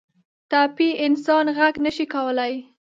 ټپي انسان غږ نه شي کولی.